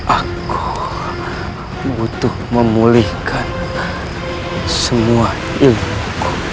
aku butuh memulihkan semua ilmu